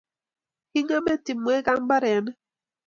Kingeme timwek ak mbarenik